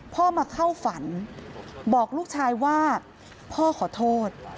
พ่อมาเข้าฝันบอกลูกชายว่าพ่อขอโทษ